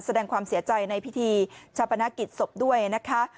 แสดงความเสียใจในพิธีชาปนกิจศพด้วยนะคะ